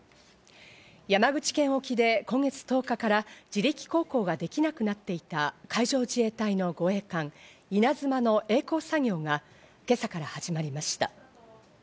山口県沖で今月１０日から自力航行ができなくなっていた海上自衛隊の護衛艦「いなづま」のえい航作業が今朝から始まりました。